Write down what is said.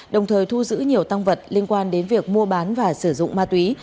đồng thời thu giữ nhiều tăng vật liên quan đến việc mua bán và sử dụng ma túy